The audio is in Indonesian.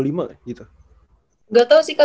gak tau sih kak